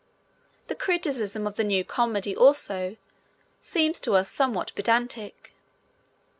The criticism of the new comedy, also, seems to us somewhat pedantic.